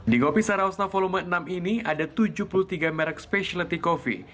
di kopi sara osna volume enam ini ada tujuh puluh tiga merk specialty kopi